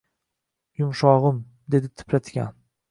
– Yumshog’im, – dedi tipratikan